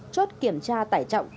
chốt kiểm tra tải trọng